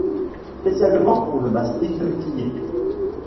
Spécialement pour le mastic de vitrier.